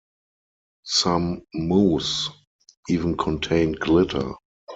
Some mousse even contained glitter.